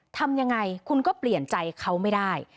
ทำยังไงคุณก็เปลี่ยนใจเขาไม่ได้